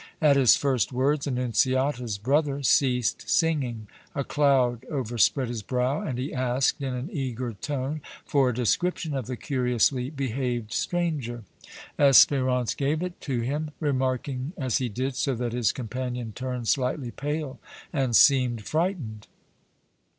At his first words Annunziata's brother ceased singing; a cloud overspread his brow, and he asked, in an eager tone, for a description of the curiously behaved stranger. Espérance gave it to him, remarking as he did so that his companion turned slightly pale and seemed frightened.